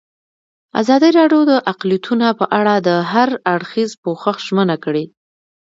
ازادي راډیو د اقلیتونه په اړه د هر اړخیز پوښښ ژمنه کړې.